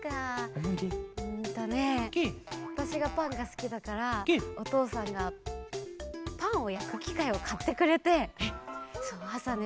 うんとねわたしがパンがすきだからおとうさんがパンをやくきかいをかってくれてあさね